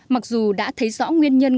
mặc dù đã thấy rõ nguyên nhân